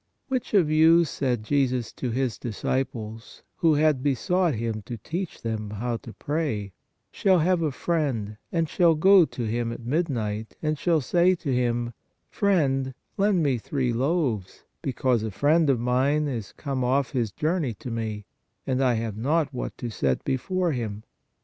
"Which of you," said Jesus to His disciples, who had besought Him to teach them how to pray, " shall have a friend, and shall go to him at midnight, and shall say to him : Friend, lend me three loaves, because a friend of mine is come off his journey to me, and I have not what to set before him.